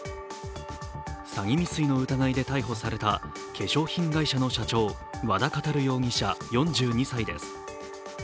詐欺未遂の疑いで逮捕された化粧品会社の社長和田教容疑者４２歳です。